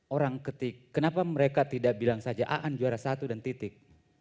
orang ketik kenapa mereka tidak bilang saja aan juara satu dan titik